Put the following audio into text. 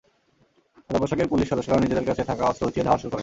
সাদাপোশাকের police সদস্যরা নিজেদের কাছে থাকা অস্ত্র উঁচিয়ে ধাওয়া শুরু করেন।